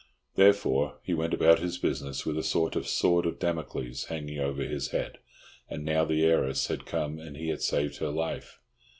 Therefore, he went about his business with a sort of sword of Damocles hanging over his head—and now the heiress had come, and he had saved her life!